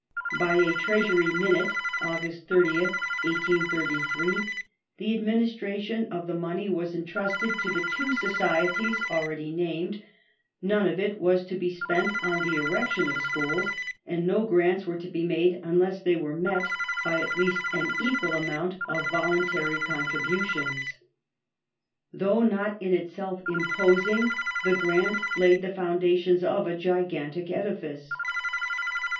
By a Treasury minute (August 30th, 1833) the administration of the money was en trusted to the two Societies already named ; none of it was to be spent on the erection of schools, and no grants were to be made unless they were met by at least an equal amount of voluntary contributions. Though not in itself imposing, the grant laid the foundations of a gigantic edifice.